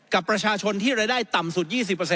กับประชาชนที่รายได้ต่ำสุด๒๐